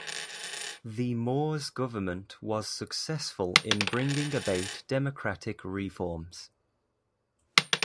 The Moores government was successful in bringing about democratic reforms.